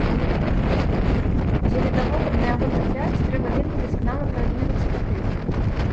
Дзеля таго, каб на яго трапляць, трэба вельмі дасканала прадумваць стратэгію.